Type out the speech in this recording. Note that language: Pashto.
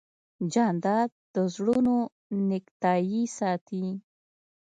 جانداد د زړونو نېکتایي ساتي.